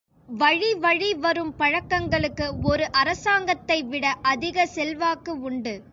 வழிவழி வரும் பழக்கங்களுக்கு ஒரு அரசாங்கத்தைவிட அதிக செல்வாக்கு உண்டு.